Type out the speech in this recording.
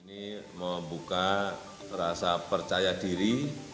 ini membuka rasa percaya diri